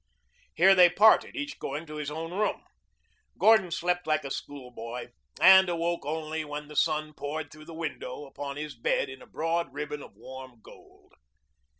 Here they parted, each going to his own room. Gordon slept like a schoolboy and woke only when the sun poured through the window upon his bed in a broad ribbon of warm gold.